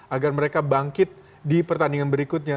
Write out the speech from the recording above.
agar mereka bangkit di pertandingan berikutnya